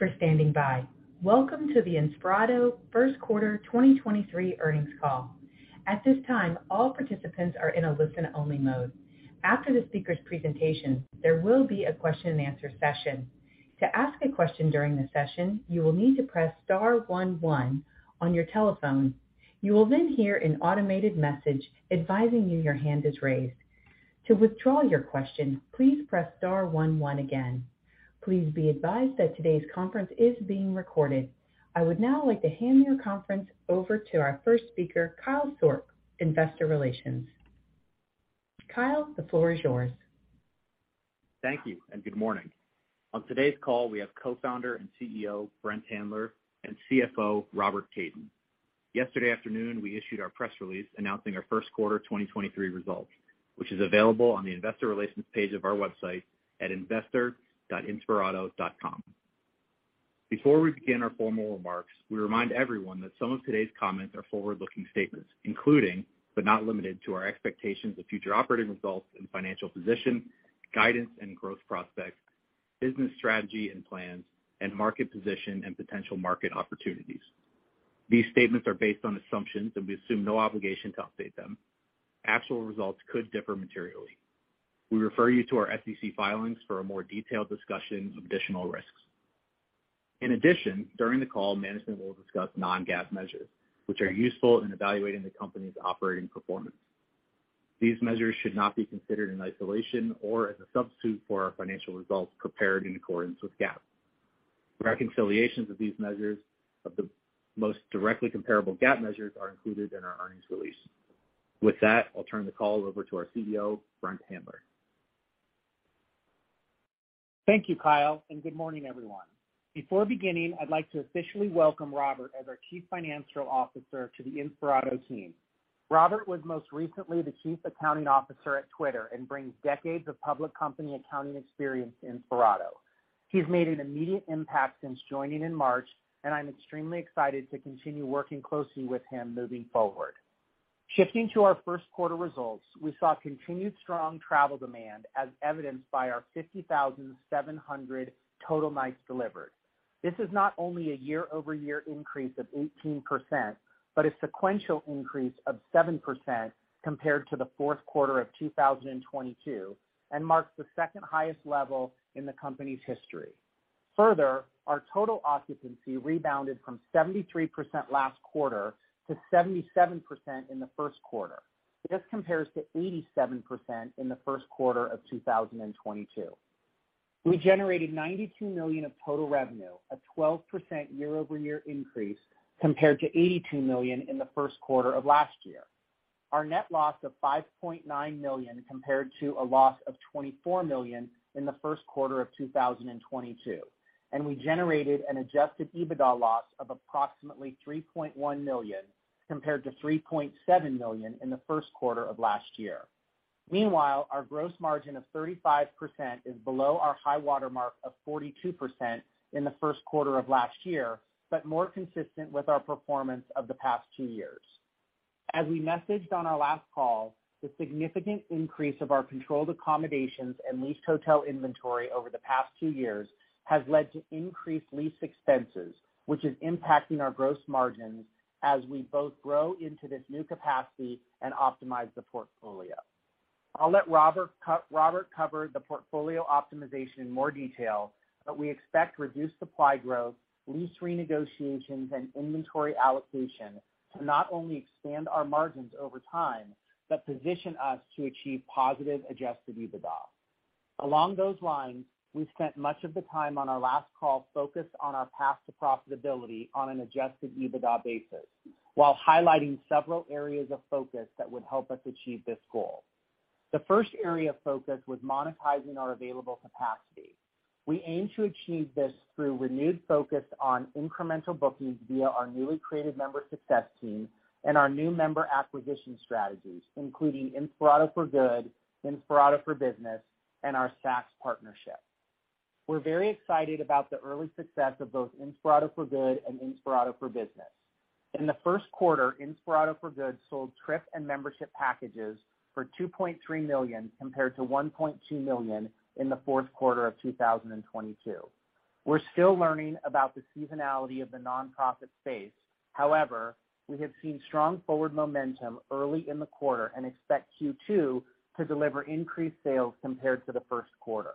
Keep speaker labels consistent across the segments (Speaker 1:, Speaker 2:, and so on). Speaker 1: Good day, and thank you for standing by. Welcome to the Inspirato First Quarter 2023 Earnings Call. At this time, all participants are in a listen-only mode. After the speaker's presentation, there will be a question-and-answer session. To ask a question during the session, you will need to press star one one on your telephone. You will then hear an automated message advising you your hand is raised. To withdraw your question, please press star one one again. Please be advised that today's conference is being recorded. I would now like to hand your conference over to our first speaker, Kyle Sourk, Investor Relations. Kyle, the floor is yours.
Speaker 2: Thank you, and good morning. On today's call, we have Co-Founder and CEO, Brent Handler, and CFO, Robert Kaiden. Yesterday afternoon, we issued our press release announcing our first quarter 2023 results, which is available on the investor relations page of our website at investor.inspirato.com. Before we begin our formal remarks, we remind everyone that some of today's comments are forward-looking statements including, but not limited to, our expectations of future operating results and financial position, guidance and growth prospects, business strategy and plans, and market position and potential market opportunities. These statements are based on assumptions. We assume no obligation to update them. Actual results could differ materially. We refer you to our SEC filings for a more detailed discussion of additional risks. In addition, during the call, management will discuss non-GAAP measures which are useful in evaluating the company's operating performance. These measures should not be considered in isolation or as a substitute for our financial results prepared in accordance with GAAP. Reconciliations of these measures of the most directly comparable GAAP measures are included in our earnings release. With that, I'll turn the call over to our CEO, Brent Handler.
Speaker 3: Thank you, Kyle, good morning, everyone. Before beginning, I'd like to officially welcome Robert as our Chief Financial Officer to the Inspirato team. Robert was most recently the chief accounting officer at Twitter and brings decades of public company accounting experience to Inspirato. He's made an immediate impact since joining in March, and I'm extremely excited to continue working closely with him moving forward. To our first quarter results, we saw continued strong travel demand as evidenced by our 50,700 total nights delivered. This is not only a year-over-year increase of 18% but a sequential increase of 7% compared to the fourth quarter of 2022 and marks the second-highest level in the company's history. Our total occupancy rebounded from 73% last quarter to 77% in the first quarter. This compares to 87% in the first quarter of 2022. We generated $92 million of total revenue, a 12% year-over-year increase compared to $82 million in the first quarter of last year. Our net loss of $5.9 million compared to a loss of $24 million in the first quarter of 2022. We generated an adjusted EBITDA loss of approximately $3.1 million compared to $3.7 million in the first quarter of last year. Meanwhile, our gross margin of 35% is below our high watermark of 42% in the first quarter of last year but more consistent with our performance of the past two years. As we messaged on our last call, the significant increase of our controlled accommodations and leased hotel inventory over the past two years has led to increased lease expenses, which is impacting our gross margins as we both grow into this new capacity and optimize the portfolio. We expect reduced supply growth, lease renegotiations, and inventory allocation to not only expand our margins over time but position us to achieve positive adjusted EBITDA. Along those lines, we spent much of the time on our last call focused on our path to profitability on an adjusted EBITDA basis while highlighting several areas of focus that would help us achieve this goal. The first area of focus was monetizing our available capacity. We aim to achieve this through renewed focus on incremental bookings via our newly created member success team and our new member acquisition strategies, including Inspirato for Good, Inspirato for Business, and our Saks partnership. We're very excited about the early success of both Inspirato for Good and Inspirato for Business. In the first quarter, Inspirato for Good sold trip and membership packages for $2.3 million compared to $1.2 million in the fourth quarter of 2022. We're still learning about the seasonality of the nonprofit space. However, we have seen strong forward momentum early in the quarter and expect Q2 to deliver increased sales compared to the first quarter.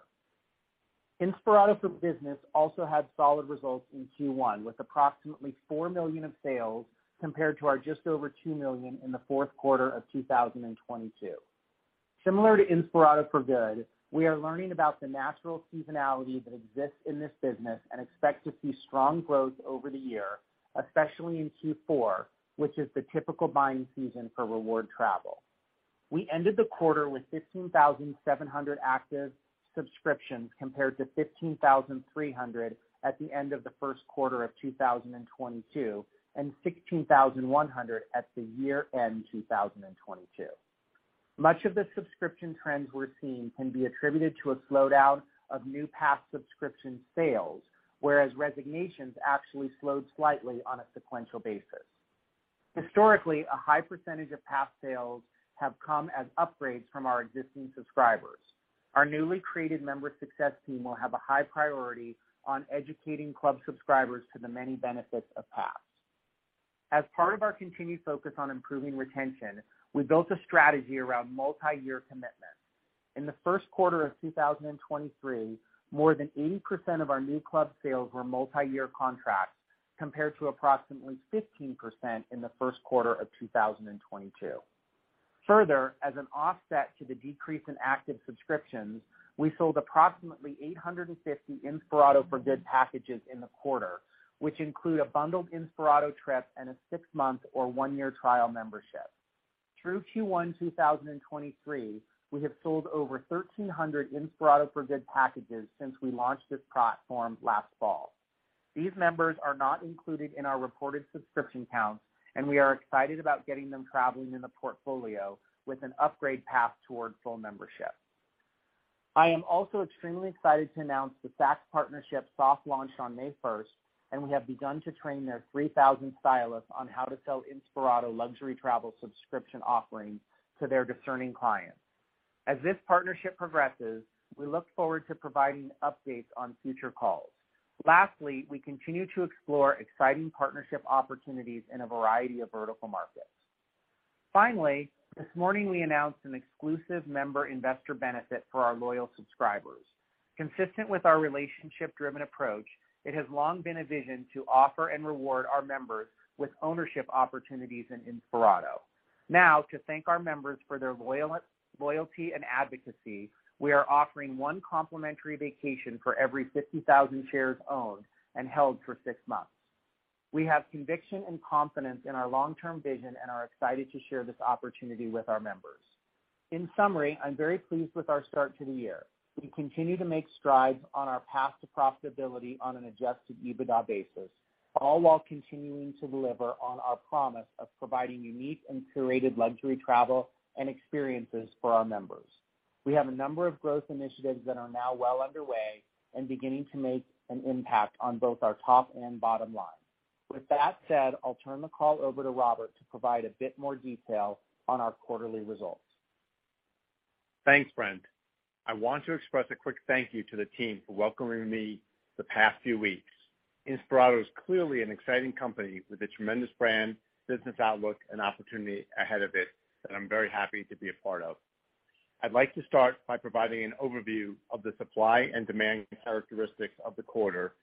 Speaker 3: Inspirato for Business also had solid results in Q1 with approximately $4 million of sales compared to our just over $2 million in the fourth quarter of 2022. Similar to Inspirato for Good, we are learning about the natural seasonality that exists in this business and expect to see strong growth over the year, especially in Q4, which is the typical buying season for reward travel. We ended the quarter with 15,700 active subscriptions compared to 15,300 at the end of the first quarter of 2022 and 16,100 at the year-end 2022. Much of the subscription trends we're seeing can be attributed to a slowdown of new Pass subscription sales, whereas resignations actually slowed slightly on a sequential basis. Historically, a high percentage of Pass sales have come as upgrades from our existing subscribers. Our newly created member success team will have a high priority on educating Club subscribers to the many benefits of Pass. As part of our continued focus on improving retention, we built a strategy around multi-year commitments. In the first quarter of 2023, more than 80% of our new club sales were multi-year contracts, compared to approximately 15% in the first quarter of 2022. As an offset to the decrease in active subscriptions, we sold approximately 850 Inspirato for Good packages in the quarter, which include a bundled Inspirato trip and a six month or one year trial membership. Through Q1 2023, we have sold over 1,300 Inspirato for Good packages since we launched this platform last fall. These members are not included in our reported subscription counts, and we are excited about getting them traveling in the portfolio with an upgrade path towards full membership. I am also extremely excited to announce the Saks partnership soft launch on 1 May. We have begun to train their 3,000 stylists on how to sell Inspirato luxury travel subscription offerings to their discerning clients. As this partnership progresses, we look forward to providing updates on future calls. Lastly, we continue to explore exciting partnership opportunities in a variety of vertical markets. This morning we announced an exclusive member investor benefit for our loyal subscribers. Consistent with our relationship-driven approach, it has long been a vision to offer and reward our members with ownership opportunities in Inspirato. Now, to thank our members for their loyalty and advocacy, we are offering one complimentary vacation for every 50,000 shares owned and held for six months. We have conviction and confidence in our long-term vision and are excited to share this opportunity with our members. In summary, I'm very pleased with our start to the year. We continue to make strides on our path to profitability on an adjusted EBITDA basis, all while continuing to deliver on our promise of providing unique and curated luxury travel and experiences for our members. We have a number of growth initiatives that are now well underway and beginning to make an impact on both our top and bottom line. With that said, I'll turn the call over to Robert to provide a bit more detail on our quarterly results.
Speaker 4: Thanks, Brent. I want to express a quick thank you to the team for welcoming me the past few weeks. Inspirato is clearly an exciting company with a tremendous brand, business outlook, and opportunity ahead of it that I'm very happy to be a part of. I'd like to start by providing an overview of the supply and demand characteristics of the quarter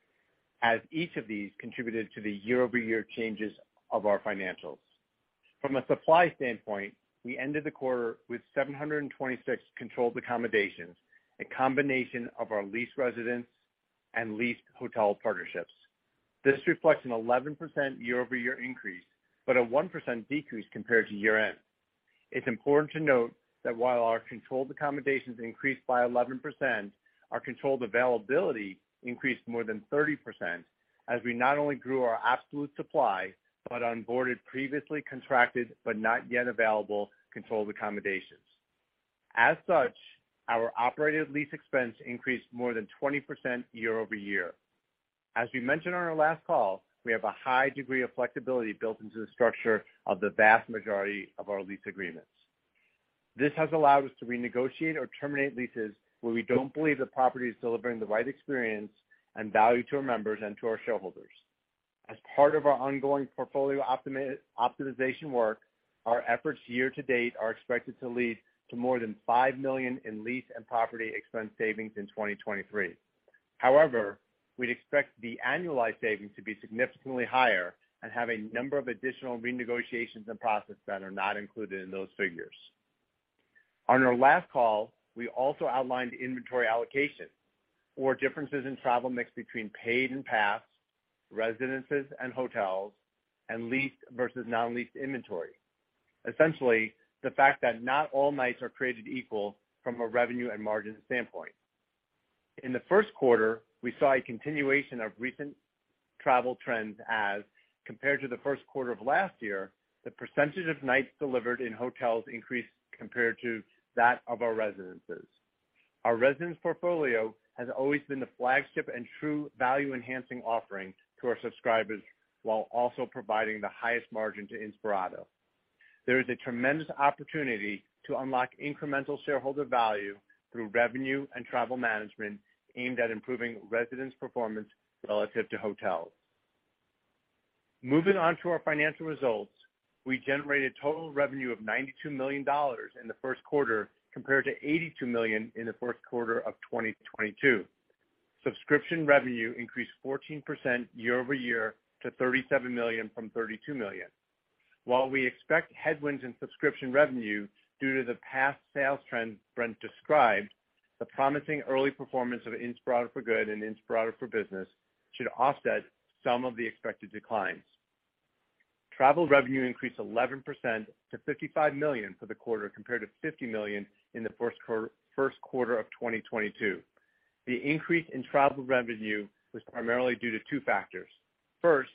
Speaker 4: as each of these contributed to the year-over-year changes of our financials. From a supply standpoint, we ended the quarter with 726 controlled accommodations, a combination of our leased residents and leased hotel partnerships. This reflects an 11% year-over-year increase, a 1% decrease compared to year-end. It's important to note that while our controlled accommodations increased by 11%, our controlled availability increased more than 30%, as we not only grew our absolute supply, but onboarded previously contracted, but not yet available controlled accommodations. As such, our operated lease expense increased more than 20% year-over-year. As we mentioned on our last call, we have a high degree of flexibility built into the structure of the vast majority of our lease agreements. This has allowed us to renegotiate or terminate leases where we don't believe the property is delivering the right experience and value to our members and to our shareholders. As part of our ongoing portfolio optimization work, our efforts year to date are expected to lead to more than $5 million in lease and property expense savings in 2023. We'd expect the annualized savings to be significantly higher and have a number of additional renegotiations and process that are not included in those figures. On our last call, we also outlined inventory allocation, or differences in travel mix between paid and Pass, residences and hotels, and leased versus non-leased inventory. Essentially, the fact that not all nights are created equal from a revenue and margin standpoint. In the first quarter, we saw a continuation of recent travel trends as compared to the first quarter of last year, the % of nights delivered in hotels increased compared to that of our residences. Our residence portfolio has always been the flagship and true value-enhancing offering to our subscribers while also providing the highest margin to Inspirato. There is a tremendous opportunity to unlock incremental shareholder value through revenue and travel management aimed at improving residents' performance relative to hotels. Moving on to our financial results, we generated total revenue of $92 million in the first quarter compared to $82 million in the fourth quarter of 2022. Subscription revenue increased 14% year-over-year to $37 million from $32 million. While we expect headwinds in subscription revenue due to the Pass sales trend Brent described, the promising early performance of Inspirato for Good and Inspirato for Business should offset some of the expected declines. Travel revenue increased 11% to $55 million for the quarter compared to $50 million in the first quarter of 2022. The increase in travel revenue was primarily due to two factors. First,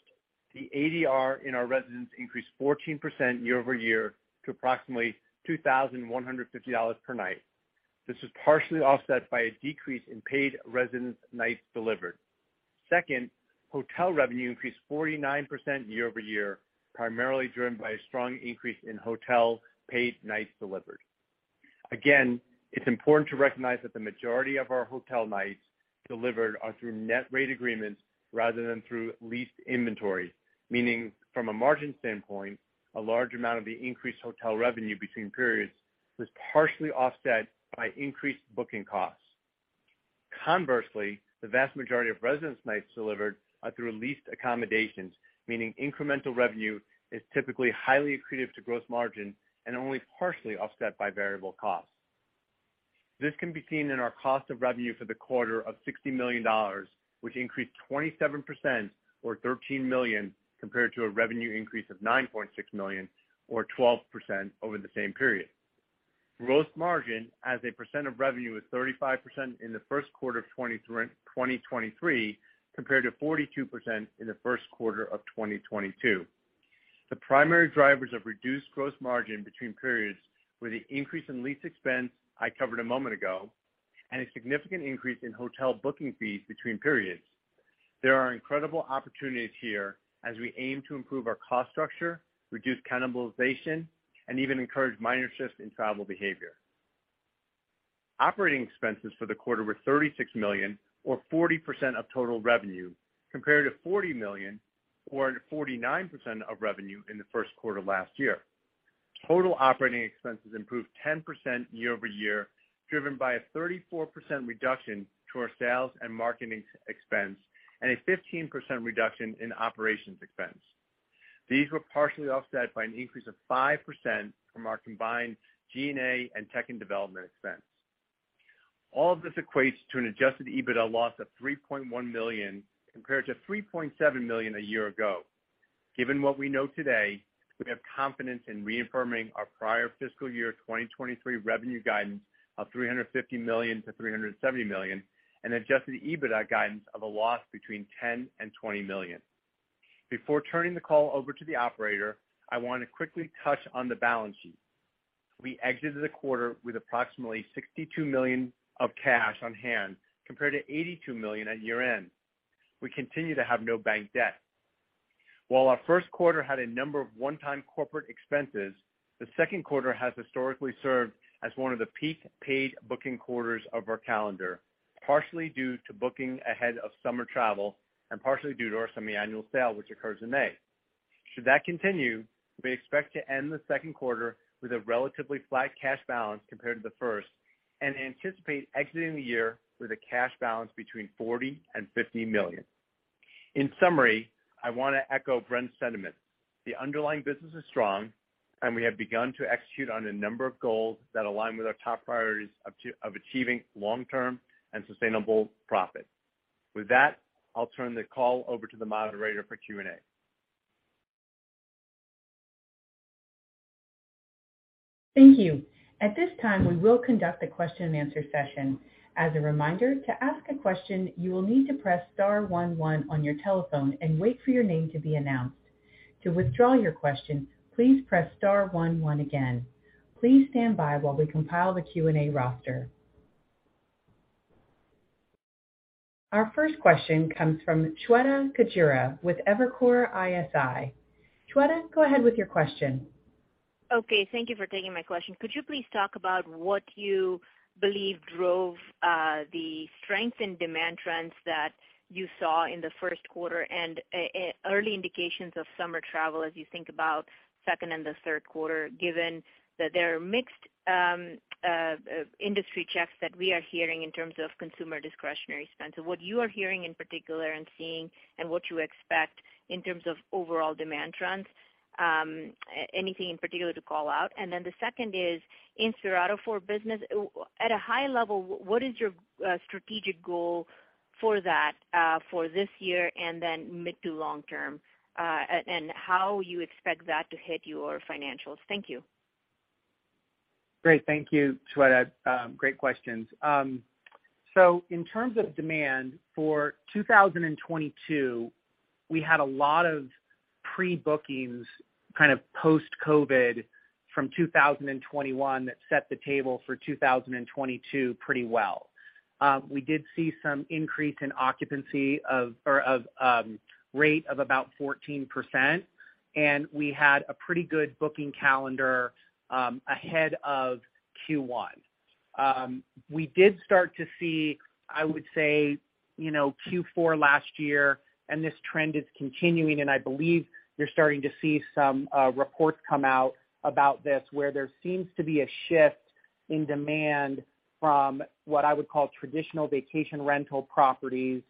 Speaker 4: the ADR in our residents increased 14% year-over-year to approximately $2,150 per night. This was partially offset by a decrease in paid residents' nights delivered. Second, hotel revenue increased 49% year-over-year, primarily driven by a strong increase in hotel paid nights delivered. Again, it's important to recognize that the majority of our hotel nights delivered are through net rate agreements rather than through leased inventory, meaning from a margin standpoint, a large amount of the increased hotel revenue between periods was partially offset by increased booking costs. Conversely, the vast majority of residence nights delivered are through leased accommodations, meaning incremental revenue is typically highly accretive to gross margin and only partially offset by variable costs. This can be seen in our cost of revenue for the quarter of $60 million, which increased 27% or $13 million compared to a revenue increase of $9.6 million or 12% over the same period. Gross margin as a percent of revenue is 35% in the first quarter of 2023 compared to 42% in the first quarter of 2022. The primary drivers of reduced gross margin between periods were the increase in lease expense I covered a moment ago and a significant increase in hotel booking fees between periods. There are incredible opportunities here as we aim to improve our cost structure, reduce cannibalization, and even encourage minor shifts in travel behavior. Operating expenses for the quarter were $36 million or 40% of total revenue, compared to $40 million or 49% of revenue in the first quarter last year. Total operating expenses improved 10% year-over-year, driven by a 34% reduction to our sales and marketing expense and a 15% reduction in operations expense. These were partially offset by an increase of 5% from our combined G&A and tech and development expense. All of this equates to an adjusted EBITDA loss of $3.1 million compared to $3.7 million a year ago. Given what we know today, we have confidence in reaffirming our prior fiscal year 2023 revenue guidance of $350 million to $370 million and adjusted EBITDA guidance of a loss between $10 million and $20 million. Before turning the call over to the operator, I want to quickly touch on the balance sheet. We exited the quarter with approximately $62 million of cash on hand compared to $82 million at year-end. We continue to have no bank debt. While our first quarter had a number of one-time corporate expenses, the second quarter has historically served as one of the peak paid booking quarters of our calendar, partially due to booking ahead of summer travel and partially due to our semi-annual sale, which occurs in May. Should that continue, we expect to end the second quarter with a relatively flat cash balance compared to the first and anticipate exiting the year with a cash balance between $40 million and $50 million. In summary, I want to echo Brent's sentiment. The underlying business is strong, and we have begun to execute on a number of goals that align with our top priorities of achieving long-term and sustainable profit. With that, I'll turn the call over to the moderator for Q&A.
Speaker 1: Thank you. At this time, we will conduct a question-and-answer session. As a reminder, to ask a question, you will need to press star one one on your telephone and wait for your name to be announced. To withdraw your question, please press star one one again. Please stand by while we compile the Q&A roster. Our first question comes from Shweta Khajuria with Evercore ISI. Shweta, go ahead with your question.
Speaker 5: Okay, thank you for taking my question. Could you please talk about what you believe drove the strength in demand trends that you saw in the first quarter and early indications of summer travel as you think about second and the third quarter, given that there are mixed industry checks that we are hearing in terms of consumer discretionary spend? What you are hearing in particular and seeing and what you expect in terms of overall demand trends, anything in particular to call out? The second is, Inspirato for Business, at a high level, what is your strategic goal for that for this year and then mid to long term, and how you expect that to hit your financials? Thank you.
Speaker 4: Great. Thank you, Shweta. Great questions. In terms of demand for 2022, we had a lot of pre-bookings kind of post-COVID from 2021 that set the table for 2022 pretty well. We did see some increase in occupancy of, or of, rate of about 14%. We had a pretty good booking calendar ahead of Q1. We did start to see, I would say, you know, Q4 last year. This trend is continuing, and I believe you're starting to see some reports come out about this, where there seems to be a shift in demand from what I would call traditional vacation rental properties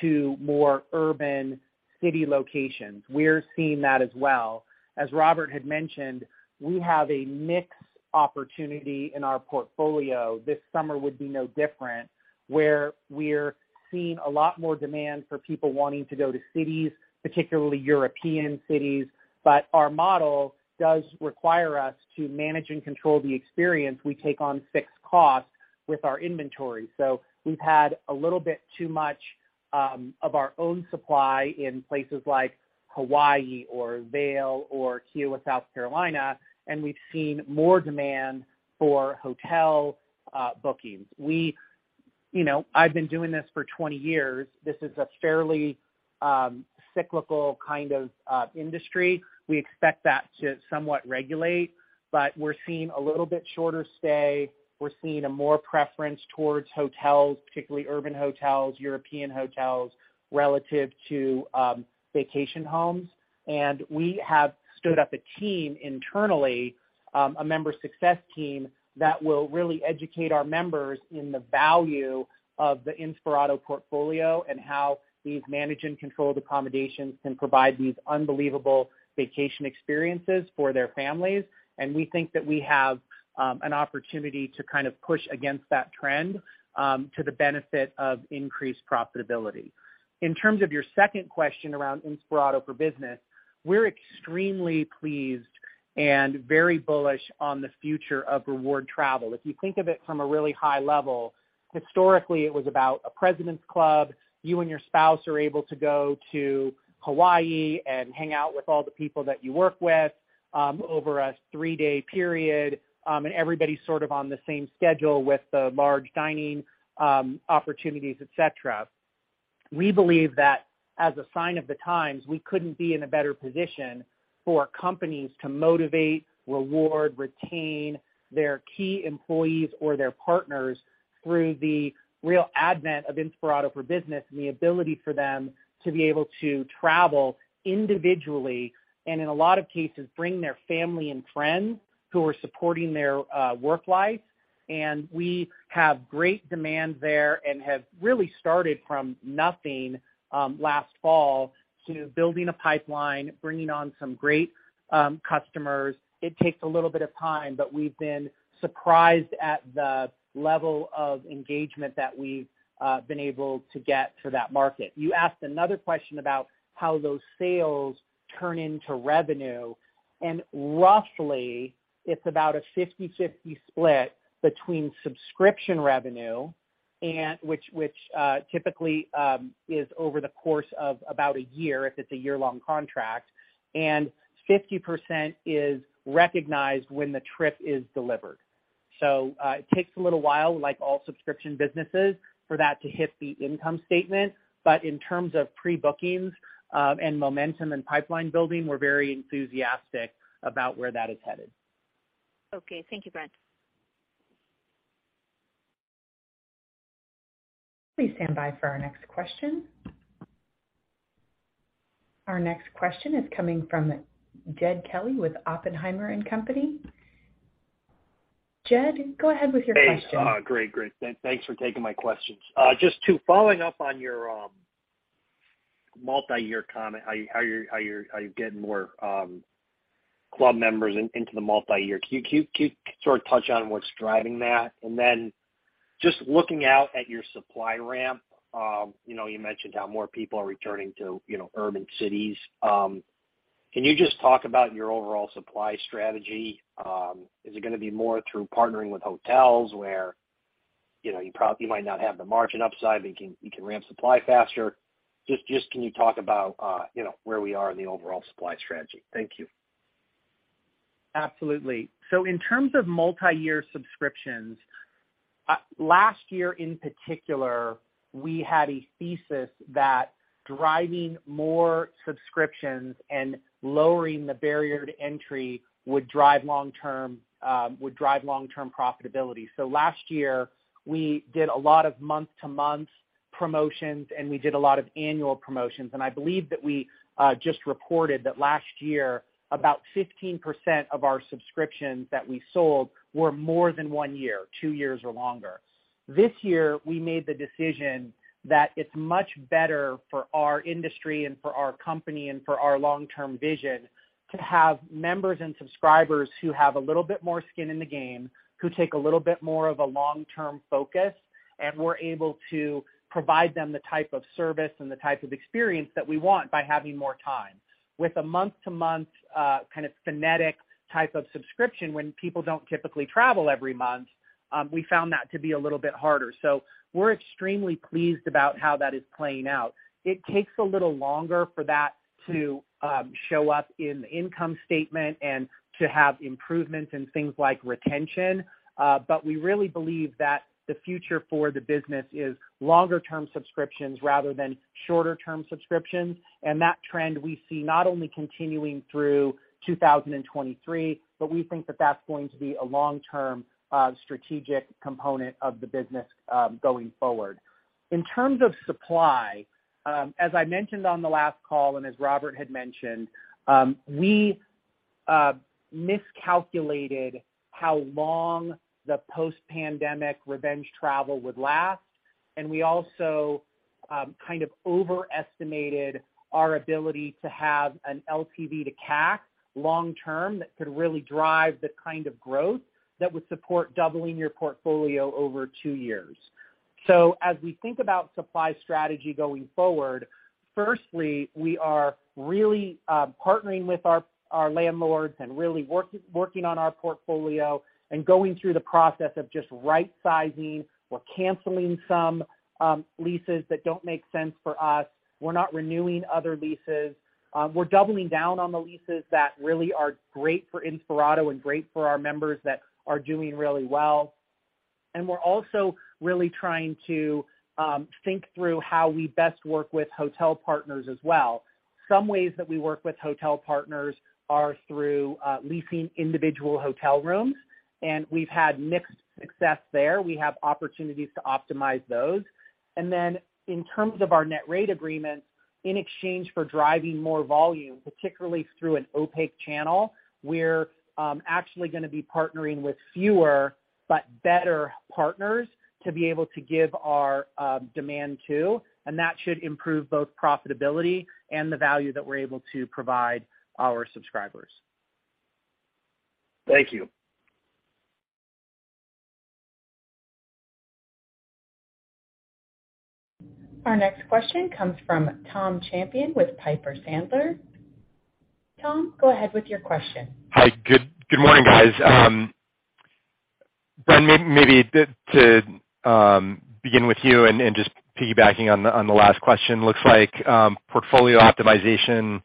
Speaker 4: to more urban city locations. We're seeing that as well. As Robert had mentioned, we have a mixed opportunity in our portfolio. This summer would be no different, where we're seeing a lot more demand for people wanting to go to cities, particularly European cities. Our model does require us to manage and control the experience. We take on fixed costs with our inventory. We've had a little bit too much of our own supply in places like Hawaii or Vail or Kiawah, South Carolina, and we've seen more demand for hotel bookings.
Speaker 3: We You know, I've been doing this for 20 years. This is a fairly cyclical kind of industry. We expect that to somewhat regulate, but we're seeing a little bit shorter stay. We're seeing a more preference towards hotels, particularly urban hotels, European hotels, relative to vacation homes. We have stood up a team internally, a member success team that will really educate our members in the value of the Inspirato portfolio and how these managed and controlled accommodations can provide these unbelievable vacation experiences for their families. We think that we have an opportunity to kind of push against that trend to the benefit of increased profitability. In terms of your second question around Inspirato for Business, we're extremely pleased and very bullish on the future of reward travel. If you think of it from a really high level, historically, it was about a president's club. You and your spouse are able to go to Hawaii and hang out with all the people that you work with, over a three-day period. Everybody's sort of on the same schedule with the large dining opportunities, et cetera. We believe that as a sign of the times, we couldn't be in a better position for companies to motivate, reward, retain their key employees or their partners through the real advent of Inspirato for Business and the ability for them to be able to travel individually and in a lot of cases, bring their family and friends who are supporting their work life. We have great demand there and have really started from nothing, last fall to building a pipeline, bringing on some great customers. It takes a little bit of time, but we've been surprised at the level of engagement that we've been able to get for that market. You asked another question about how those sales turn into revenue, roughly, it's about a 50/50 split between subscription revenue and which typically is over the course of about a year if it's a year-long contract, and 50% is recognized when the trip is delivered. It takes a little while, like all subscription businesses, for that to hit the income statement. In terms of pre-bookings, and momentum and pipeline building, we're very enthusiastic about where that is headed.
Speaker 5: Okay. Thank you, Brent.
Speaker 1: Please stand by for our next question. Our next question is coming from Jed Kelly with Oppenheimer & Company. Jed, go ahead with your question.
Speaker 6: Hey. Great. Thanks for taking my questions. Just to following up on your multiyear comment, how you're getting more club members into the multiyear. Can you sort of touch on what's driving that? Just looking out at your supply ramp, you know, you mentioned how more people are returning to, you know, urban cities. Can you just talk about your overall supply strategy? Is it gonna be more through partnering with hotels where, you know, you might not have the margin upside, but you can ramp supply faster? Just can you talk about, you know, where we are in the overall supply strategy? Thank you.
Speaker 3: Absolutely. In terms of multiyear subscriptions, last year in particular, we had a thesis that driving more subscriptions and lowering the barrier to entry would drive long-term, would drive long-term profitability. Last year, we did a lot of month-to-month promotions, and we did a lot of annual promotions. I believe that we just reported that last year, about 15% of our subscriptions that we sold were more than one year, two years or longer. This year, we made the decision that it's much better for our industry and for our company and for our long-term vision to have members and subscribers who have a little bit more skin in the game, who take a little bit more of a long-term focus, and we're able to provide them the type of service and the type of experience that we want by having more time. With a month-to-month, kind of phonetic type of subscription when people don't typically travel every month, we found that to be a little bit harder. We're extremely pleased about how that is playing out. It takes a little longer for that to show up in the income statement and to have improvements in things like retention. We really believe that the future for the business is longer-term subscriptions rather than shorter-term subscriptions. That trend we see not only continuing through 2023, but we think that that's going to be a long-term strategic component of the business going forward. In terms of supply, as I mentioned on the last call and as Robert had mentioned, we miscalculated how long the post-pandemic revenge travel would last, and we also kind of overestimated our ability to have an LTV to CAC long term that could really drive the kind of growth that would support doubling your portfolio over two years. As we think about supply strategy going forward, firstly, we are really partnering with our landlords and really working on our portfolio and going through the process of just right sizing. We're canceling some leases that don't make sense for us. We're not renewing other leases. We're doubling down on the leases that really are great for Inspirato and great for our members that are doing really well. We're also really trying to think through how we best work with hotel partners as well. Some ways that we work with hotel partners are through leasing individual hotel rooms, and we've had mixed success there. We have opportunities to optimize those. In terms of our net rate agreements, in exchange for driving more volume, particularly through an opaque channel, we're actually gonna be partnering with fewer but better partners to be able to give our demand to, and that should improve both profitability and the value that we're able to provide our subscribers.
Speaker 6: Thank you.
Speaker 1: Our next question comes from Tom Champion with Piper Sandler. Tom, go ahead with your question.
Speaker 7: Hi. Good morning, guys. Brent, maybe to begin with you and just piggybacking on the last question, looks like portfolio optimization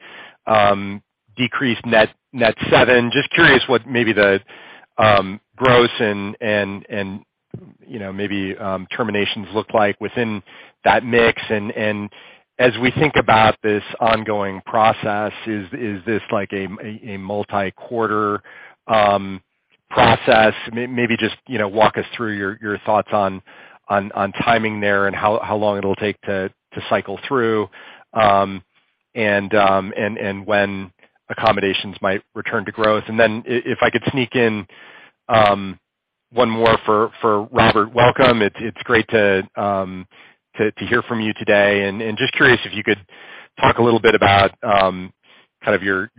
Speaker 7: decreased net two. Just curious what maybe the gross and, you know, maybe terminations look like within that mix. As we think about this ongoing process, is this like a multi-quarter process? Maybe just, you know, walk us through your thoughts on timing there and how long it'll take to cycle through and when accommodations might return to growth. Then if I could sneak in one more for Robert. Welcome. It's great to hear from you today. Just curious if you could talk a little bit about kind of your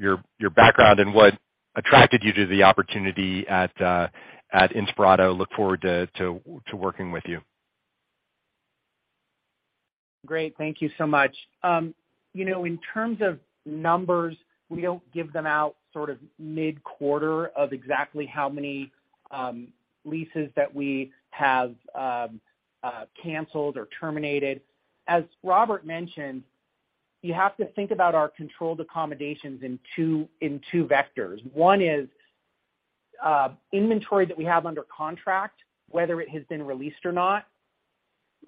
Speaker 7: background and what attracted you to the opportunity at Inspirato. Look forward to working with you.
Speaker 3: Great. Thank you so much. you know, in terms of numbers, we don't give them out sort of mid-quarter of exactly how many leases that we have canceled or terminated. As Robert mentioned, you have to think about our controlled accommodations in two vectors. One is inventory that we have under contract, whether it has been released or not,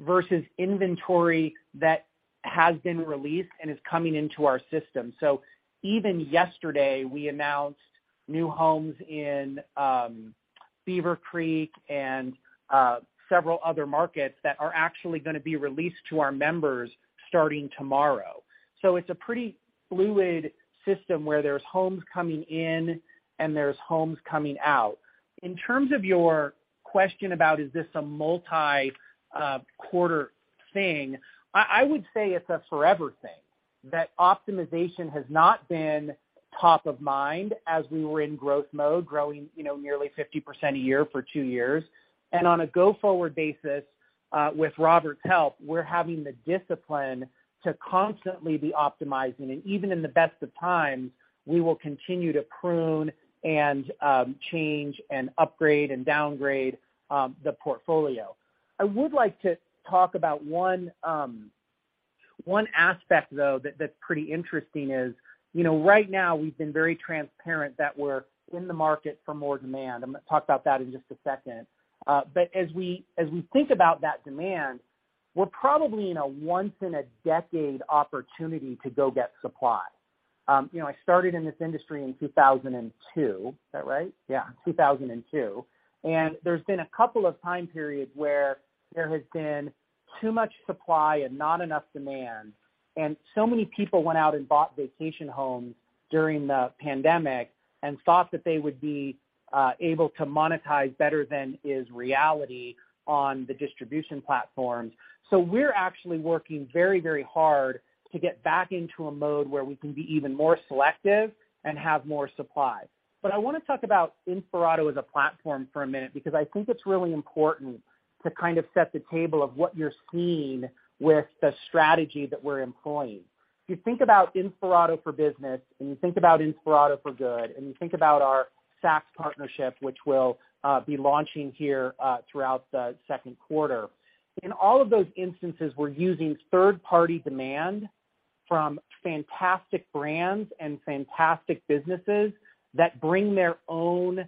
Speaker 3: versus inventory that has been released and is coming into our system. Even yesterday, we announced new homes in Beaver Creek and several other markets that are actually gonna be released to our members starting tomorrow. It's a pretty fluid system where there's homes coming in and there's homes coming out. In terms of your question about is this a multi-quarter thing, I would say it's a forever thing, that optimization has not been top of mind as we were in growth mode, growing, you know, nearly 50% a year for two years. On a go-forward basis, with Robert's help, we're having the discipline to constantly be optimizing. Even in the best of times, we will continue to prune and change and upgrade and downgrade the portfolio. I would like to talk about one aspect, though, that's pretty interesting is, you know, right now we've been very transparent that we're in the market for more demand. I'm gonna talk about that in just a second. As we think about that demand, we're probably in a once in a decade opportunity to go get supply. you know, I started in this industry in 2002. Is that right? Yeah, 2002. There's been a couple of time periods where there has been too much supply and not enough demand, and so many people went out and bought vacation homes during the pandemic and thought that they would be able to monetize better than is reality on the distribution platforms. We're actually working very, very hard to get back into a mode where we can be even more selective and have more supply. I wanna talk about Inspirato as a platform for a minute because I think it's really important to kind of set the table of what you're seeing with the strategy that we're employing. If you think about Inspirato for Business, and you think about Inspirato for Good, and you think about our Saks partnership, which we'll be launching here throughout the second quarter. In all of those instances, we're using third-party demand from fantastic brands and fantastic businesses that bring their own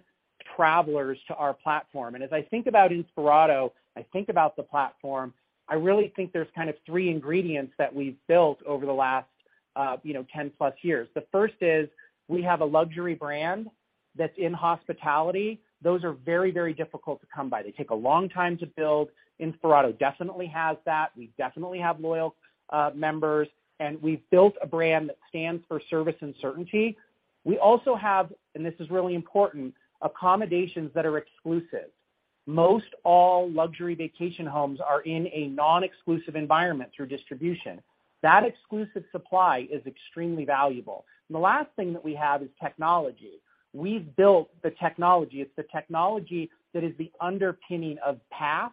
Speaker 3: travelers to our platform. As I think about Inspirato, I think about the platform, I really think there's kind of 3 ingredients that we've built over the last, you know, 10+ years. The first is we have a luxury brand that's in hospitality. Those are very, very difficult to come by. They take a long time to build. Inspirato definitely has that. We definitely have loyal members, and we've built a brand that stands for service and certainty. We also have, and this is really important, accommodations that are exclusive. Most all luxury vacation homes are in a non-exclusive environment through distribution. That exclusive supply is extremely valuable. The last thing that we have is technology. We've built the technology. It's the technology that is the underpinning of Pass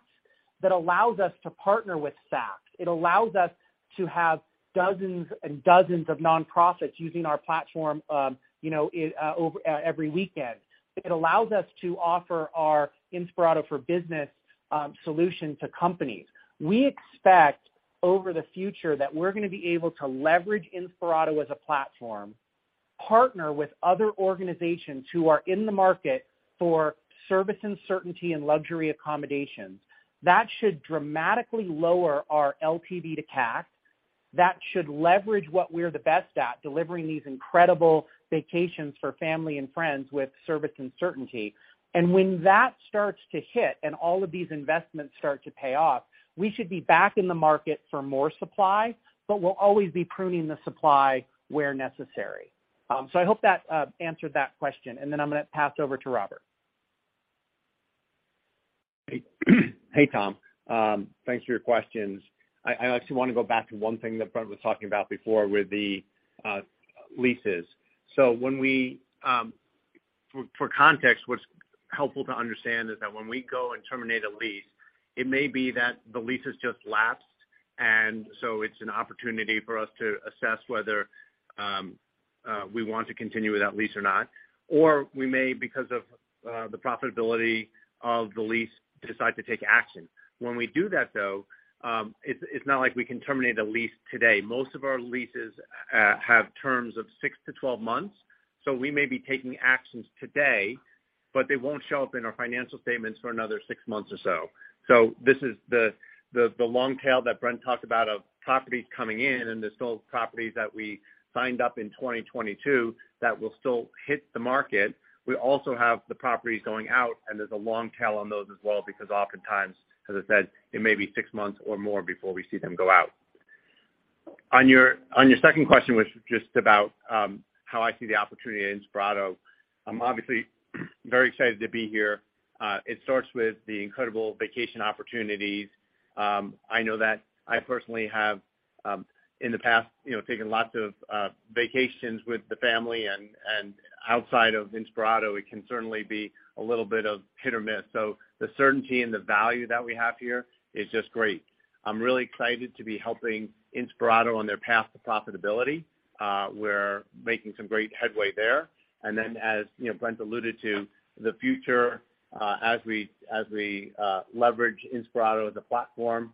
Speaker 3: that allows us to partner with Saks. It allows us to have dozens and dozens of nonprofits using our platform, you know, over every weekend. It allows us to offer our Inspirato for Business solution to companies. We expect over the future that we're gonna be able to leverage Inspirato as a platformPartner with other organizations who are in the market for service and certainty and luxury accommodations. That should dramatically lower our LTV to CAC. That should leverage what we're the best at, delivering these incredible vacations for family and friends with service and certainty. When that starts to hit and all of these investments start to pay off, we should be back in the market for more supply, but we'll always be pruning the supply where necessary. I hope that answered that question, and then I'm gonna pass it over to Robert.
Speaker 4: Hey. Thanks for your questions. I actually wanna go back to one thing that Brent was talking about before with the leases. When we go and terminate a lease, it may be that the lease has just lapsed, and so it's an opportunity for us to assess whether we want to continue with that lease or not, or we may, because of the profitability of the lease, decide to take action. When we do that, though, it's not like we can terminate a lease today. Most of our leases have terms of six to 12 months, so we may be taking actions today, but they won't show up in our financial statements for another six months or so. This is the long tail that Brent talked about of properties coming in, and there's still properties that we signed up in 2022 that will still hit the market. We also have the properties going out, and there's a long tail on those as well because oftentimes, as I said, it may be six months or more before we see them go out. On your second question, which was just about how I see the opportunity at Inspirato, I'm obviously very excited to be here. It starts with the incredible vacation opportunities. I know that I personally have, in the past, you know, taken lots of vacations with the family and outside of Inspirato, it can certainly be a little bit of hit or miss. The certainty and the value that we have here is just great. I'm really excited to be helping Inspirato on their path to profitability. We're making some great headway there. As, you know, Brent alluded to, the future, as we leverage Inspirato as a platform,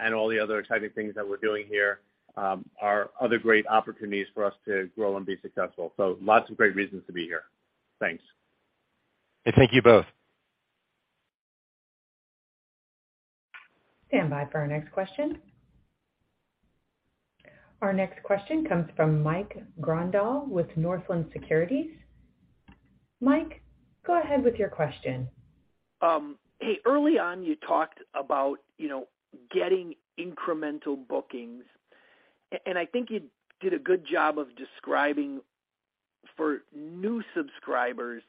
Speaker 4: and all the other exciting things that we're doing here, are other great opportunities for us to grow and be successful. Lots of great reasons to be here. Thanks.
Speaker 3: Hey, thank you both.
Speaker 1: Stand by for our next question. Our next question comes from Mike Grondahl with Northland Securities. Mike, go ahead with your question.
Speaker 8: Hey, early on, you talked about, you know, getting incremental bookings. I think you did a good job of describing for new subscribers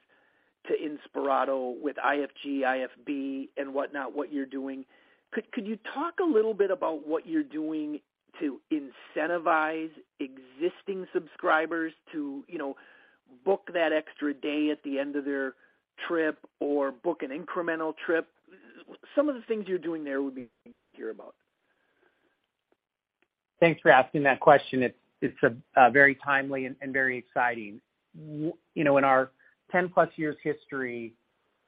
Speaker 8: to Inspirato with IFG, IFB and whatnot, what you're doing. Could you talk a little bit about what you're doing to incentivize existing subscribers to, you know, book that extra day at the end of their trip or book an incremental trip? Some of the things you're doing there would be hear about.
Speaker 3: Thanks for asking that question. It's very timely and very exciting. You know, in our 10+ years history,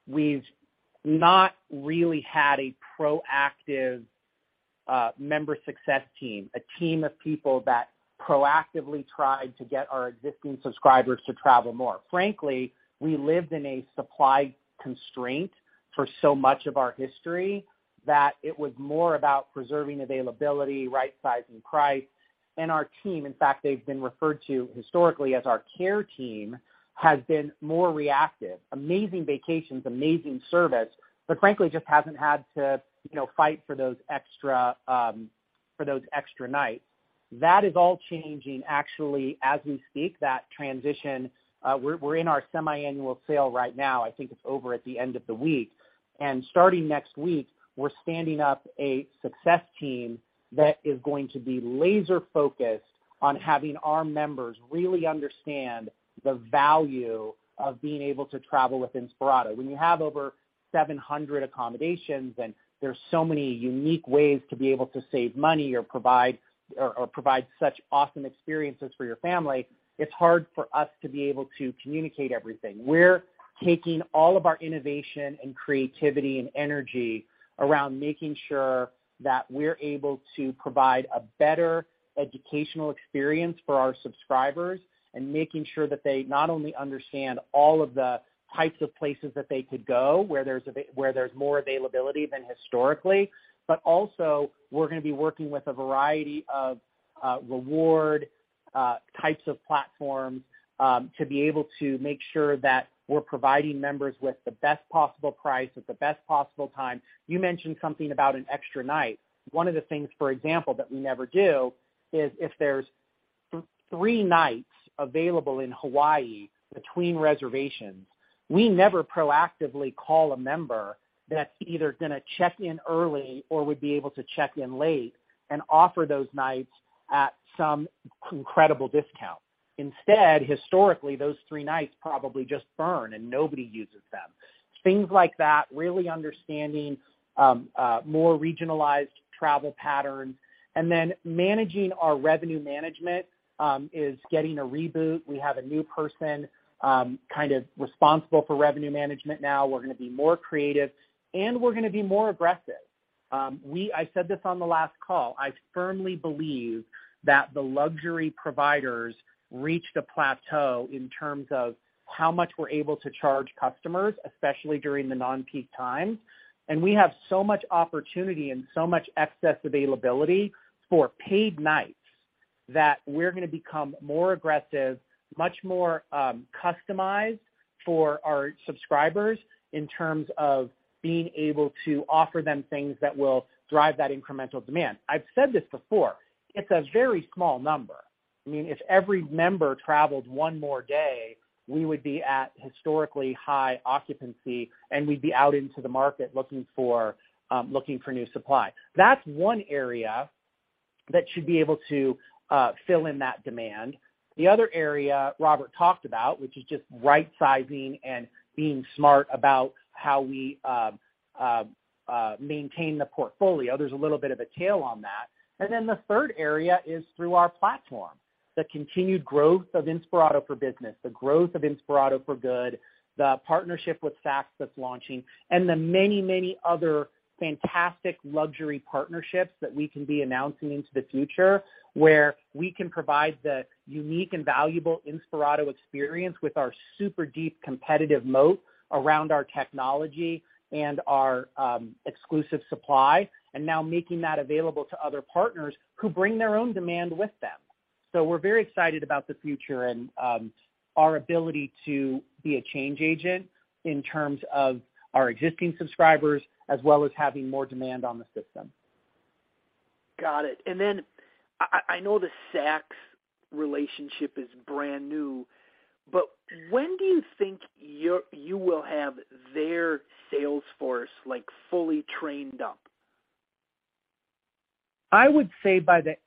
Speaker 3: we've not really had a proactive member success team, a team of people that proactively tried to get our existing subscribers to travel more. Frankly, we lived in a supply constraint for so much of our history that it was more about preserving availability, right sizing price. Our team, in fact, they've been referred to historically as our care team, has been more reactive. Amazing vacations, amazing service, but frankly, just hasn't had to, you know, fight for those extra for those extra nights. That is all changing actually as we speak. That transition, we're in our semi-annual sale right now. I think it's over at the end of the week. Starting next week, we're standing up a success team that is going to be laser-focused on having our members really understand the value of being able to travel with Inspirato. When you have over 700 accommodations and there's so many unique ways to be able to save money or provide such awesome experiences for your family, it's hard for us to be able to communicate everything. We're taking all of our innovation and creativity and energy around making sure that we're able to provide a better educational experience for our subscribers and making sure that they not only understand all of the types of places that they could go, where there's more availability than historically, but also, we're gonna be working with a variety of reward types of platforms to be able to make sure that we're providing members with the best possible price at the best possible time. You mentioned something about an extra night. One of the things, for example, that we never do is if there's three nights available in Hawaii between reservations, we never proactively call a member that's either gonna check in early or would be able to check in late and offer those nights at some incredible discount. Instead, historically, those three nights probably just burn, and nobody uses them. Things like that, really understanding more regionalized travel patterns. Managing our revenue management is getting a reboot. We have a new person kind of responsible for revenue management now. We're gonna be more creative, and we're gonna be more aggressive. I said this on the last call. I firmly believe that the luxury providers reached a plateau in terms of how much we're able to charge customers, especially during the non peak times. We have so much opportunity and so much excess availability for paid nights that we're gonna become more aggressive, much more customized for our subscribers in terms of being able to offer them things that will drive that incremental demand. I've said this before, it's a very small number. I mean, if every member traveled one more day, we would be at historically high occupancy, and we'd be out into the market looking for new supply. That's one area that should be able to fill in that demand. The other area Robert talked about, which is just right sizing and being smart about how we maintain the portfolio. There's a little bit of a tail on that. The third area is through our platform, the continued growth of Inspirato for Business, the growth of Inspirato for Good, the partnership with Saks that's launching, and the many, many other fantastic luxury partnerships that we can be announcing into the future, where we can provide the unique and valuable Inspirato experience with our super deep, competitive moat around our technology and our exclusive supply, and now making that available to other partners who bring their own demand with them. We're very excited about the future and our ability to be a change agent in terms of our existing subscribers as well as having more demand on the system.
Speaker 8: Got it. I know the Saks relationship is brand new, but when do you think you will have their sales force, like, fully trained up?
Speaker 3: I would say by the end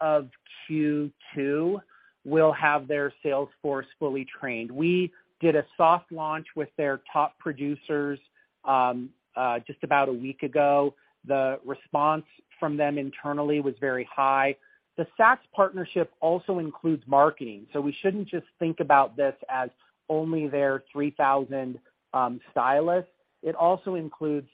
Speaker 3: of Q2, we'll have their sales force fully trained. We did a soft launch with their top producers, just about a week ago. The response from them internally was very high. The Saks partnership also includes marketing, we shouldn't just think about this as only their 3,000 stylists. It also includes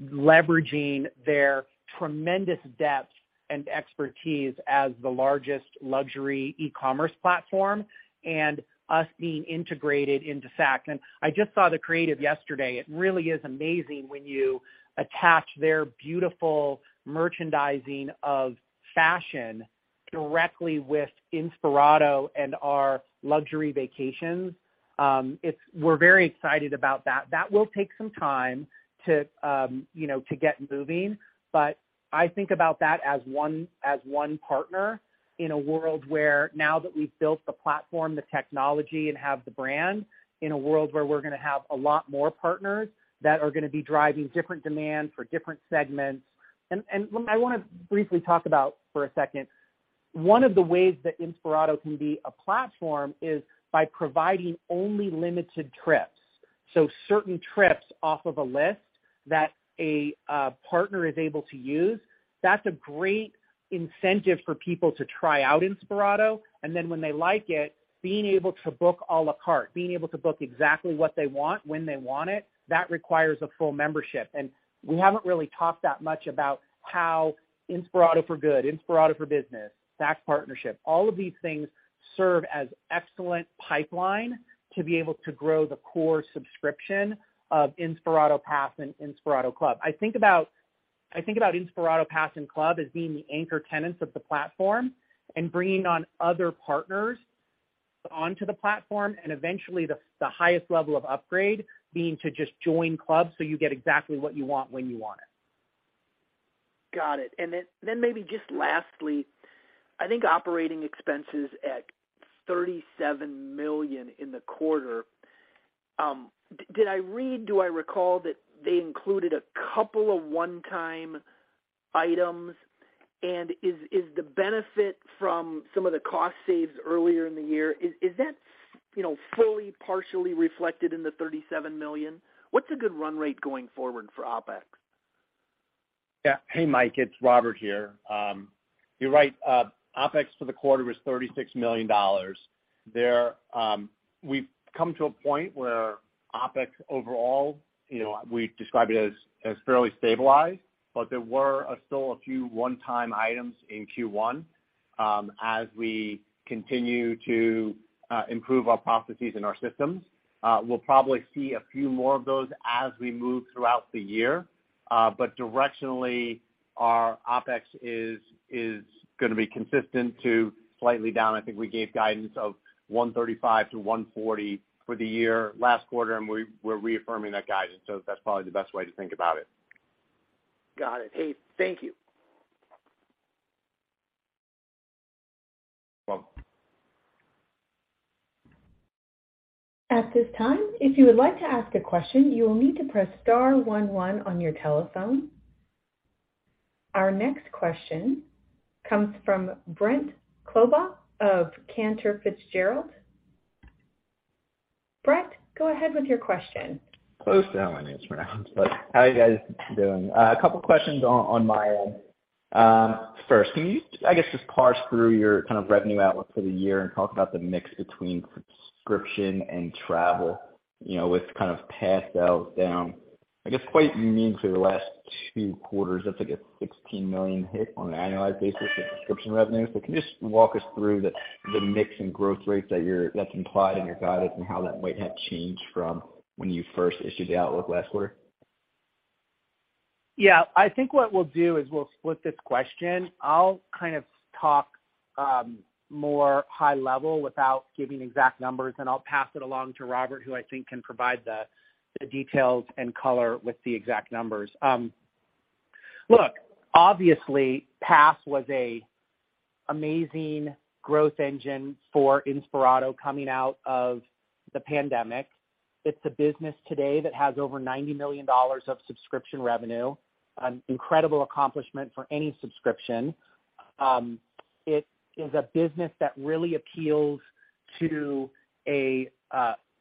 Speaker 3: leveraging their tremendous depth and expertise as the largest luxury e-commerce platform and us being integrated into Saks. I just saw the creative yesterday. It really is amazing when you attach their beautiful merchandising of fashion directly with Inspirato and our luxury vacations. We're very excited about that. That will take some time to, you know, to get moving. I think about that as one partner in a world where now that we've built the platform, the technology and have the brand, in a world where we're gonna have a lot more partners that are gonna be driving different demand for different segments. Let me I wanna briefly talk about, for a second, one of the ways that Inspirato can be a platform is by providing only limited trips, so certain trips off of a list that a partner is able to use. That's a great incentive for people to try out Inspirato. Then when they like it, being able to book a la carte, being able to book exactly what they want when they want it, that requires a full membership. We haven't really talked that much about how Inspirato for Good, Inspirato for Business, Saks partnership, all of these things serve as excellent pipeline to be able to grow the core subscription of Inspirato Pass and Inspirato Club. I think about Inspirato Pass and Club as being the anchor tenants of the platform and bringing on other partners onto the platform, and eventually the highest level of upgrade being to just join Club so you get exactly what you want when you want it.
Speaker 8: Got it. Then maybe just lastly, I think operating expenses at $37 million in the quarter, did I read, do I recall that they included a couple of one-time items? Is the benefit from some of the cost saves earlier in the year, is that, you know, fully, partially reflected in the $37 million? What's a good run rate going forward for OpEx?
Speaker 4: Yeah. Hey, Mike, it's Robert here. You're right. OpEx for the quarter was $36 million. There, we've come to a point where OpEx overall, you know, we describe it as fairly stabilized, but there were still a few one-time items in Q1. As we continue to improve our processes and our systems, we'll probably see a few more of those as we move throughout the year. Directionally, our OpEx is gonna be consistent to slightly down. I think we gave guidance of $135 million to $140 million for the year last quarter, and we're reaffirming that guidance. That's probably the best way to think about it.
Speaker 8: Got it. Hey, thank you.
Speaker 4: Welcome.
Speaker 1: At this time, if you would like to ask a question, you will need to press star one one on your telephone. Our next question comes from Brett Knoblauch of Cantor Fitzgerald. Brett, go ahead with your question.
Speaker 9: Knoblauch's how my name's pronounced. How are you guys doing? A couple questions on my end. First, can you, I guess, just parse through your kind of revenue outlook for the year and talk about the mix between subscription and travel? You know, with kind of Pass sales down, I guess, quite meaningfully the last two quarters, that's like a $16 million hit on an annualized basis in subscription revenue. Can you just walk us through the mix and growth rates that's implied in your guidance and how that might have changed from when you first issued the outlook last quarter?
Speaker 3: I think what we'll do is we'll split this question. I'll kind of talk more high level without giving exact numbers, and I'll pass it along to Robert, who I think can provide the details and color with the exact numbers. Look, obviously, Pass was a amazing growth engine for Inspirato coming out of the pandemic. It's a business today that has over $90 million of subscription revenue, an incredible accomplishment for any subscription. It is a business that really appeals to a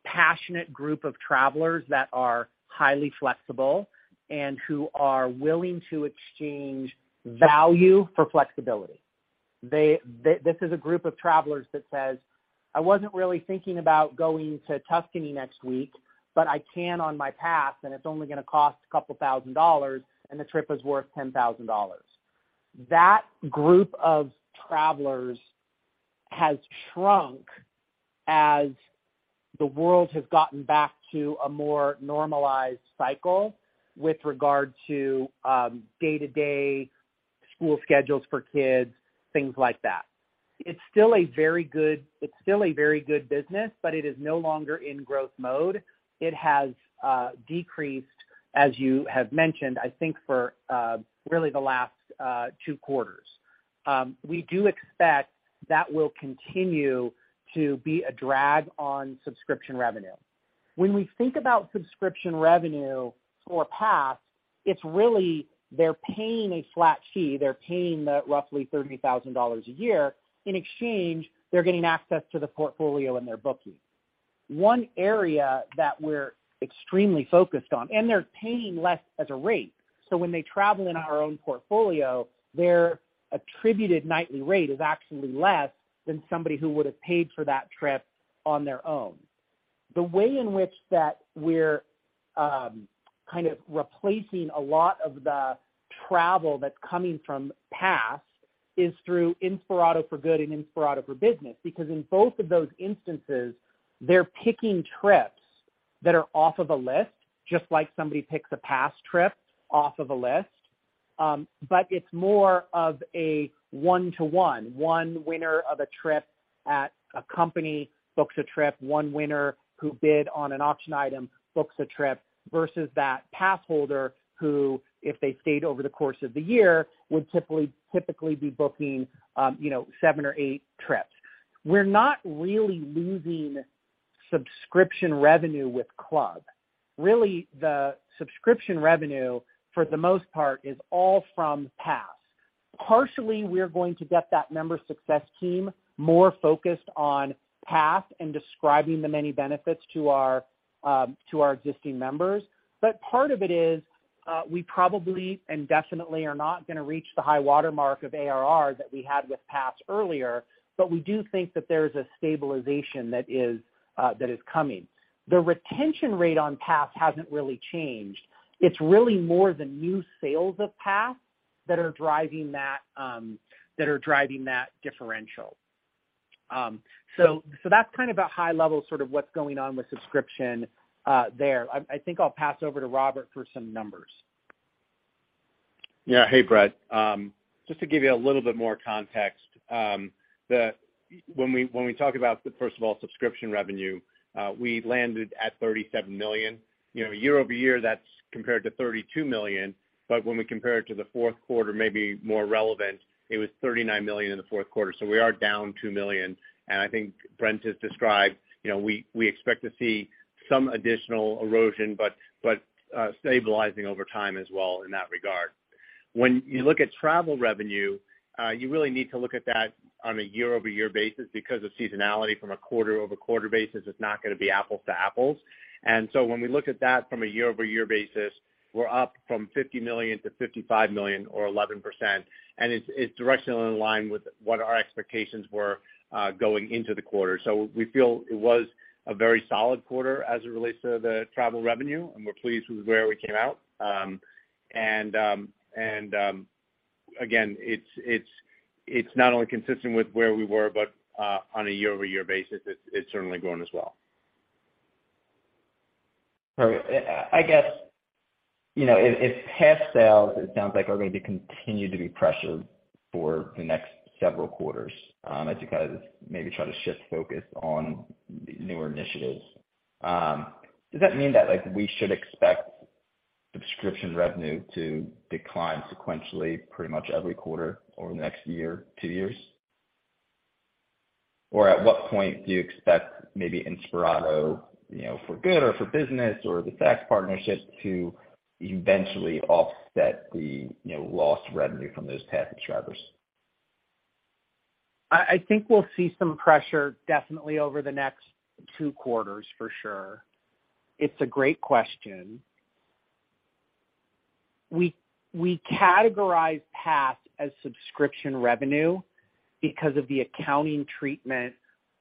Speaker 3: passionate group of travelers that are highly flexible and who are willing to exchange value for flexibility. This is a group of travelers that says, "I wasn't really thinking about going to Tuscany next week, but I can on my Pass, and it's only gonna cost a couple thousand dollars, and the trip is worth $10,000." That group of travelers has shrunk as the world has gotten back to a more normalized cycle with regard to day-to-day school schedules for kids, things like that. It's still a very good business, but it is no longer in growth mode. It has decreased, as you have mentioned, I think for really the last two quarters. We do expect that will continue to be a drag on subscription revenue. When we think about subscription revenue for Pass, it's really they're paying a flat fee. They're paying the roughly $30,000 a year. In exchange, they're getting access to the portfolio and their booking. One area that we're extremely focused on. They're paying less as a rate, so when they travel in our own portfolio, their attributed nightly rate is actually less than somebody who would have paid for that trip on their own. The way in which that we're kind of replacing a lot of the travel that's coming from Pass is through Inspirato for Good and Inspirato for Business. In both of those instances, they're picking trips that are off of a list, just like somebody picks a Pass trip off of a list, but it's more of a one to one. One winner of a trip at a company books a trip. One winner who bid on an auction item books a trip versus that Pass holder, who, if they stayed over the course of the year, would typically be booking, you know, seven or eight trips. We're not really losing subscription revenue with Club. The subscription revenue, for the most part, is all from Pass. We're going to get that member success team more focused on Pass and describing the many benefits to our existing members. Part of it is, we probably and definitely are not gonna reach the high watermark of ARR that we had with Pass earlier, but we do think that there's a stabilization that is coming. The retention rate on Pass hasn't really changed. It's really more the new sales of Pass that are driving that are driving that differential. That's kind of a high level sort of what's going on with subscription there. I think I'll pass over to Robert for some numbers.
Speaker 4: Yeah. Hey, Brett. Just to give you a little bit more context, when we talk about the, first of all, subscription revenue, we landed at $37 million. You know, year-over-year, that's compared to $32 million, but when we compare it to the fourth quarter, maybe more relevant, it was $39 million in the fourth quarter. We are down $2 million, and I think Brent has described, you know, we expect to see some additional erosion, but stabilizing over time as well in that regard. When you look at travel revenue, you really need to look at that on a year-over-year basis because of seasonality from a quarter-over-quarter basis, it's not gonna be apples to apples. When we look at that from a year-over-year basis, we're up from $50 million to $55 million or 11%, and it's directionally in line with what our expectations were going into the quarter. We feel it was a very solid quarter as it relates to the travel revenue, and we're pleased with where we came out. Again, it's not only consistent with where we were, but on a year-over-year basis, it's certainly growing as well.
Speaker 9: Sorry. I guess, you know, if Pass sales, it sounds like are going to continue to be pressured for the next several quarters, as you kind of maybe try to shift focus on newer initiatives, does that mean that, like, we should expect subscription revenue to decline sequentially pretty much every quarter over the next year, two years? Or at what point do you expect maybe Inspirato, you know, for Good or for Business or the Saks partnership to eventually offset the, you know, lost revenue from those Pass subscribers?
Speaker 3: I think we'll see some pressure definitely over the next two quarters for sure. It's a great question. We categorize Pass as subscription revenue because of the accounting treatment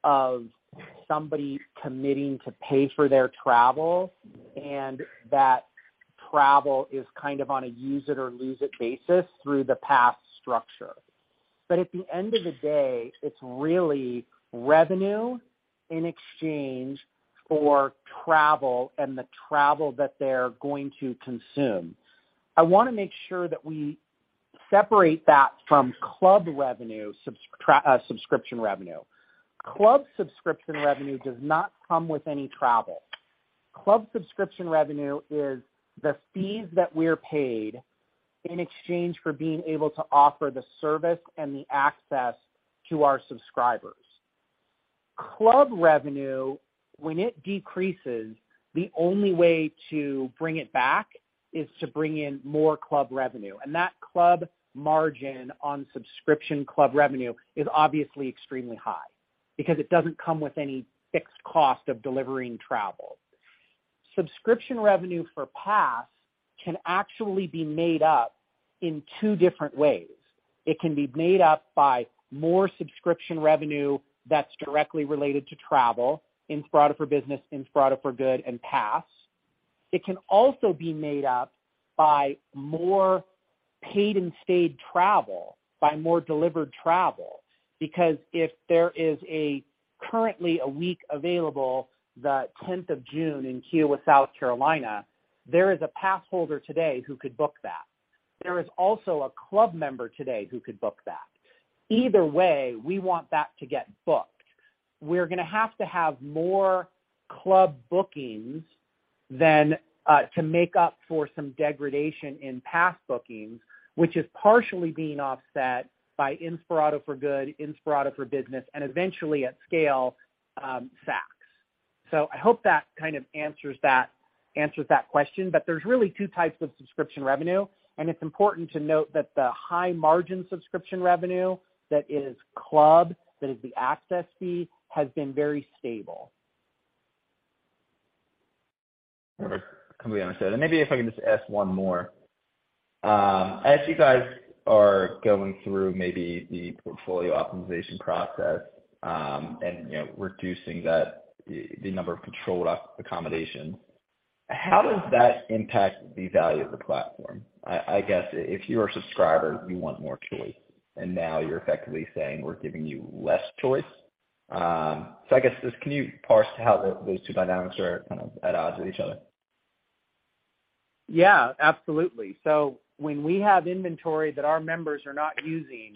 Speaker 3: of somebody committing to pay for their travel, and that travel is kind of on a use it or lose it basis through the Pass structure. At the end of the day, it's really revenue in exchange for travel and the travel that they're going to consume. I wanna make sure that we separate that from Club subscription revenue. Club subscription revenue does not come with any travel. Club subscription revenue is the fees that we're paid in exchange for being able to offer the service and the access to our subscribers. Club revenue, when it decreases, the only way to bring it back is to bring in more Club revenue. That club margin on subscription club revenue is obviously extremely high because it doesn't come with any fixed cost of delivering travel. Subscription revenue for Pass can actually be made up in two different ways. It can be made up by more subscription revenue that's directly related to travel, Inspirato for Business, Inspirato for Good and Pass. It can also be made up by more paid and stayed travel, by more delivered travel, because if there is a currently a week available, the 10th of June in Kiawah, South Carolina, there is a pass holder today who could book that. There is also a club member today who could book that. Either way, we want that to get booked. We're gonna have to have more Club bookings than to make up for some degradation in Pass bookings, which is partially being offset by Inspirato for Good, Inspirato for Business, and eventually at scale, Saks. I hope that kind of answers that question. There's really two types of subscription revenue, and it's important to note that the high margin subscription revenue that is Club, that is the access fee, has been very stable.
Speaker 9: All right. Completely understood. Maybe if I can just ask one more. As you guys are going through maybe the portfolio optimization process, and, you know, reducing that, the number of controlled accommodation, how does that impact the value of the platform? I guess if you're a subscriber, you want more choice, and now you're effectively saying, we're giving you less choice. I guess just can you parse how those two dynamics are kind of at odds with each other?
Speaker 3: Yeah, absolutely. When we have inventory that our members are not using,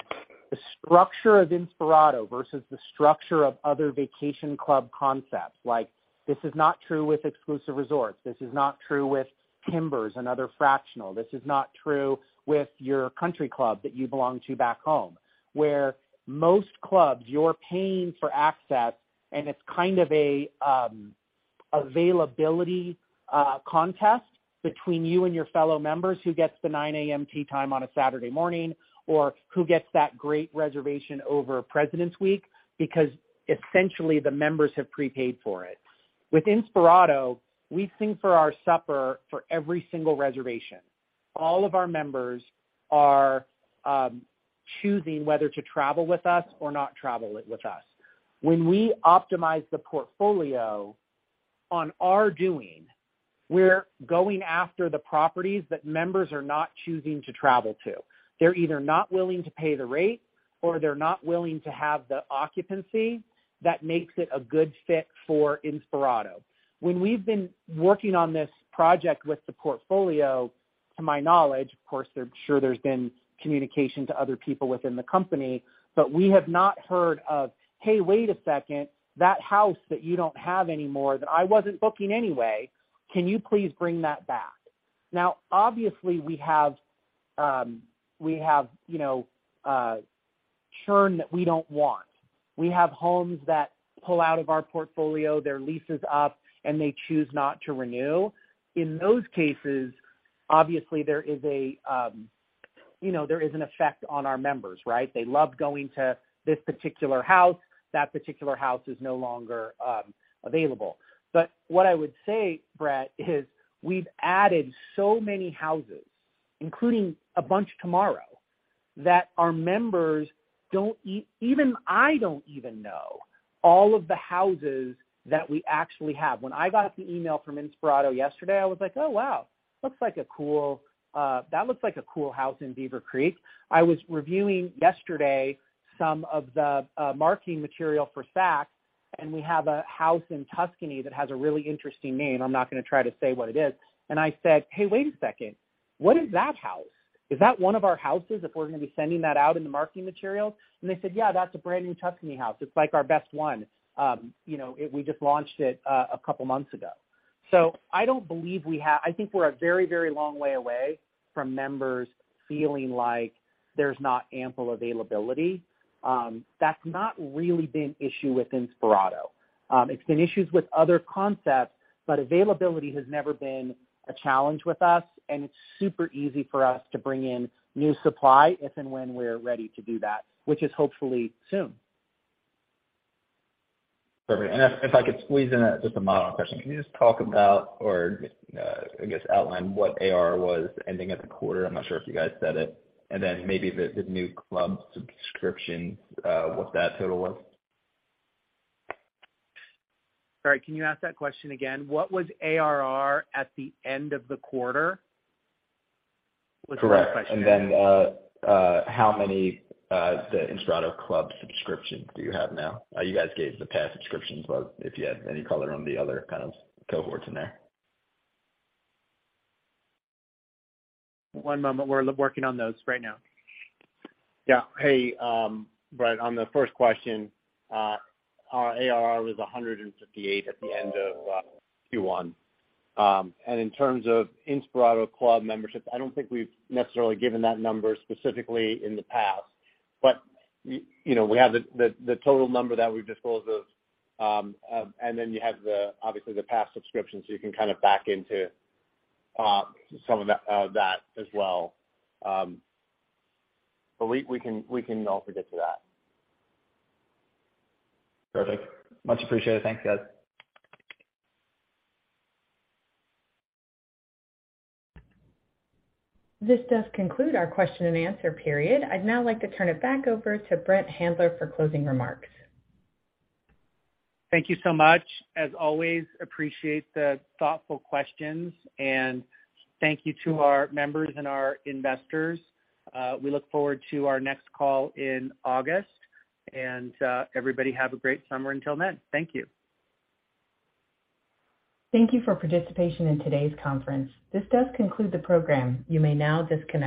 Speaker 3: the structure of Inspirato versus the structure of other vacation club concepts, like this is not true with Exclusive Resorts, this is not true with Timbers and other fractional, this is not true with your country club that you belong to back home. Where most clubs you are paying for access, and it's kind of a availability contest between you and your fellow members who gets the 9:00 A.M. tee time on a Saturday morning or who gets that great reservation over President's Week because essentially the members have prepaid for it. With Inspirato, we sing for our supper for every single reservation. All of our members are choosing whether to travel with us or not travel with us. When we optimize the portfolio on our doing, we're going after the properties that members are not choosing to travel to. They're either not willing to pay the rate or they're not willing to have the occupancy that makes it a good fit for Inspirato. When we've been working on this project with the portfolio, to my knowledge, of course there, sure there's been communication to other people within the company, but we have not heard of, "Hey, wait a second. That house that you don't have anymore, that I wasn't booking anyway, can you please bring that back?" Obviously we have, you know, churn that we don't want. We have homes that pull out of our portfolio, their lease is up, and they choose not to renew. In those cases, obviously there is a, you know, there is an effect on our members, right? They love going to this particular house. That particular house is no longer available. What I would say, Brett, is we've added so many houses, including a bunch tomorrow, that our members don't even I don't even know all of the houses that we actually have. When I got the email from Inspirato yesterday, I was like, "Oh wow, looks like a cool, that looks like a cool house in Beaver Creek." I was reviewing yesterday some of the marketing material for Saks, and we have a house in Tuscany that has a really interesting name. I'm not gonna try to say what it is. I said, "Hey, wait a second. What is that house? Is that one of our houses if we're gonna be sending that out in the marketing materials?" They said, "Yeah, that's a brand new Tuscany house. It's like our best one. You know, we just launched it a couple months ago." I think we're a very long way away from members feeling like there's not ample availability. That's not really been an issue with Inspirato. It's been issues with other concepts, availability has never been a challenge with us, it's super easy for us to bring in new supply if and when we're ready to do that, which is hopefully soon.
Speaker 9: Perfect. If I could squeeze in just a model question. Can you just outline what ARR was ending at the quarter? I'm not sure if you guys said it. Then maybe the new Club subscriptions, what that total was.
Speaker 3: Sorry, can you ask that question again? What was ARR at the end of the quarter, was the question.
Speaker 9: Correct. How many the Inspirato Club subscriptions do you have now? You guys gave the Inspirato Pass subscriptions, but if you had any color on the other kind of cohorts in there.
Speaker 3: One moment. We're working on those right now.
Speaker 4: Yeah. Hey, Brett, on the first question, our ARR was $158 at the end of Q1. In terms of Inspirato Club memberships, I don't think we've necessarily given that number specifically in the past, but you know, we have the total number that we disclose of, and then you have the, obviously the past subscriptions, so you can kind of back into some of that that as well. We can also get to that.
Speaker 9: Perfect. Much appreciated. Thank you, guys.
Speaker 1: This does conclude our question and answer period. I'd now like to turn it back over to Brent Handler for closing remarks.
Speaker 3: Thank you so much. As always, appreciate the thoughtful questions. Thank you to our members and our investors. We look forward to our next call in August. Everybody, have a great summer until then. Thank you.
Speaker 1: Thank you for participation in today's conference. This does conclude the program. You may now disconnect.